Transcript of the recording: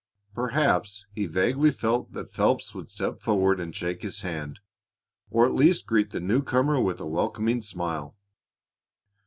Perhaps he vaguely felt that Phelps would step forward and shake his hand, or at least greet the new comer with a welcoming smile.